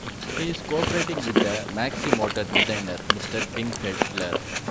He is co-operating with the Maximotor designer, Mr. Dingfelder.